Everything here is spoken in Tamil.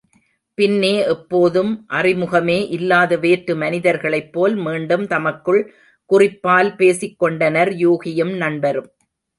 பின்னே எப்போதும் அறிமுகமே இல்லாத வேற்று மனிதர்களைப் போல் மீண்டும் தமக்குள் குறிப்பால் பேசிக் கொண்டனர் யூகியும், நண்பரும்.